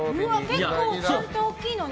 結構ちゃんと、大きいのね。